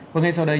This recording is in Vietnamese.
còn ngay sau đây